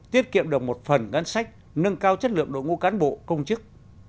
tiết kiệm được một phần ngân sách nâng cao chất lượng đội ngũ cán bộ công chức